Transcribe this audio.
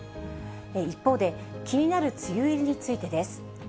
一方で、気になる梅雨入りについてです。